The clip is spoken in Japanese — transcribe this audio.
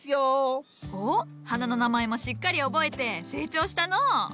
おっ花の名前もしっかり覚えて成長したのう。